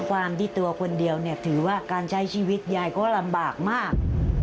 ความที่ตัวคนเดียวเนี่ยถือว่าการใช้ชีวิตยายก็ลำบากมาก